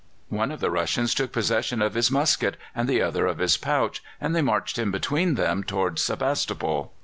One of the Russians took possession of his musket and the other of his pouch, and they marched him between them towards Sebastopol.